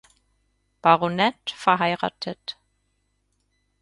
Baronet, verheiratet.